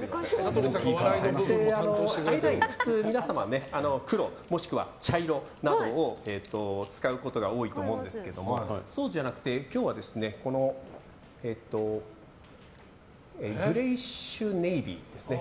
アイライン、普通は皆様黒とかもしくは茶色などを使うことが多いと思うんですけどそうじゃなくて、今日はグレイッシュネイビーですね。